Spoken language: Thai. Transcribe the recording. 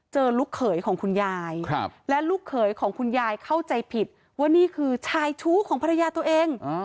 ลูกเขยของคุณยายและลูกเขยของคุณยายเข้าใจผิดว่านี่คือชายชู้ของภรรยาตัวเอง